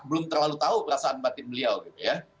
belum terlalu tahu perasaan batin beliau gitu ya